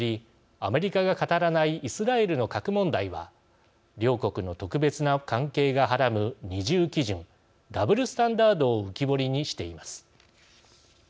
アメリカが語らないイスラエルの核問題は両国の特別な関係がはらむ２重基準、ダブルスタンダードを浮き彫りにしています。